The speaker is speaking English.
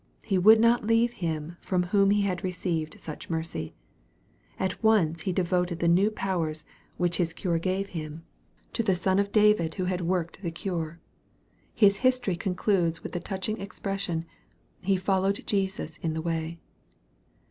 He would not leave Him from whom he had received such mercy. At once he devoted the new powers, which his cure gave him, tc MARK, CHAP. X. 225 the Son of David who had worked the cure, His history concludes with the touching expression, he " followed Jesus in the way."